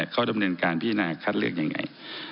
เข้าดำเนียนการพี่หน้าคัดเลือกยังไง